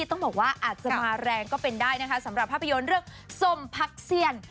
ต้องบอกว่าอาจจะมาแรงก็เป็นได้นะคะสำหรับภาพยนตร์เรื่องสมพักเซียน